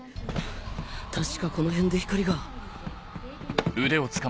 確かこの辺で光が。